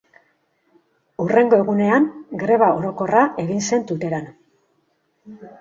Hurrengo egunean greba orokorra egin zen Tuteran.